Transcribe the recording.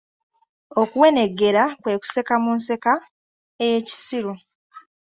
Okuweneggera kwe kuseka mu nseka eye kisiru.